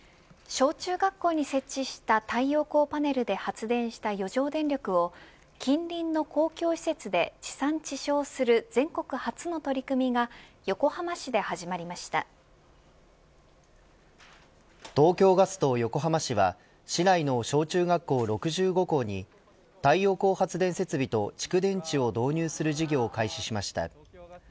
小中学校に設置した太陽光パネルで発電した余剰電力を近隣の公共施設で地産地消する全国初の取り組みが東京ガスと横浜市は市内の小中学校６５校に太陽光発電設備と蓄電池を導入する事業を開始しました。